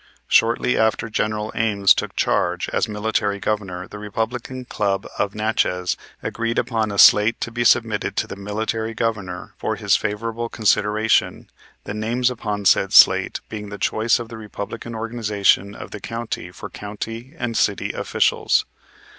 Shortly after General Ames took charge as Military Governor the Republican club at Natchez agreed upon a slate to be submitted to the Military Governor for his favorable consideration, the names upon said slate being the choice of the Republican organization of the county for county and city officials.